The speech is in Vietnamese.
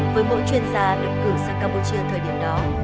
với mỗi chuyên gia được cử sang campuchia thời điểm đó